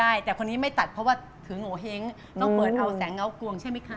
อันนี้ไม่ตัดเพราะว่าถือหงว์เห้งต้องเปิดเอาแสงเงาง้าวกรวงใช่ไหมคะ